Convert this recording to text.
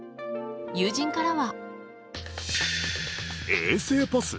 友人からは。